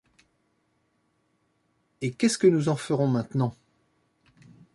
Et qu’est-ce que nous en ferons maintenant ?